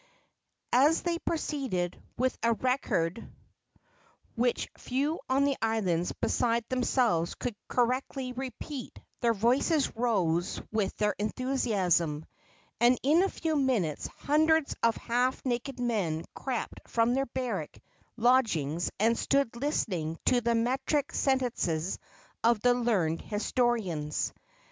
As they proceeded with a record which few on the island beside themselves could correctly repeat, their voices rose with their enthusiasm, and in a few minutes hundreds of half naked men crept from their barrack lodgings and stood listening to the metric sentences of the learned historians.